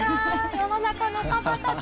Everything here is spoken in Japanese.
世の中のパパたち。